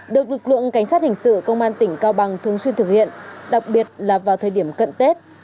được lực lượng cảnh sát hình sự công an tỉnh cao bằng thường xuyên thực hiện đặc biệt là vào thời điểm cận tết